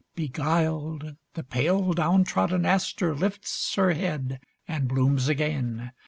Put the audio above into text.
Beguiled, the pale down trodden aster lifts Her head and blooms again.